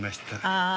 ああ。